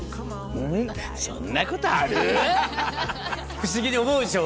不思議に思うでしょ？